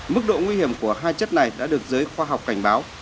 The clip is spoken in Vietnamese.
mức độ nguy hiểm của hai chất này đã được giới khoa học cảnh báo